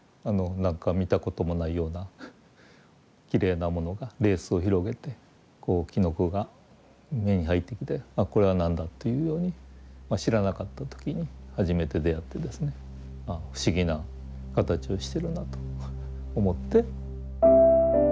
何か見たこともないようなきれいなものがレースを広げてこうきのこが目に入ってきてあっこれは何だというように知らなかった時に初めて出会ってですねああ不思議な形をしてるなと思って。